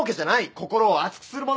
心を熱くするもの！